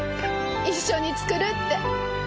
一緒に作るって。